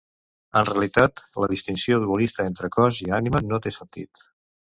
En realitat, la distinció dualista entre cos i ànima no té sentit.